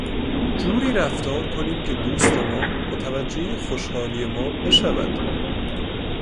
جوری رفتار کنیم که دوست ما متوجه خوشحالی ما بشود